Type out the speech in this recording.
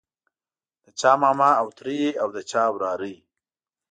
د چا ماما او تره وي او د چا وراره وي.